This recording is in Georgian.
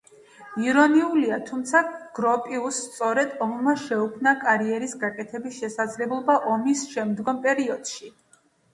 ირონიულია, თუმცა გროპიუსს სწორედ ომმა შეუქმნა კარიერის გაკეთების შესაძლებლობა ომისშემდგომ პერიოდში.